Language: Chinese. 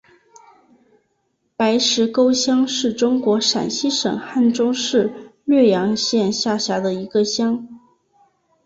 白石沟乡是中国陕西省汉中市略阳县下辖的一个乡。